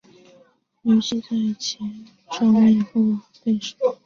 刘熙在前赵灭亡后被杀。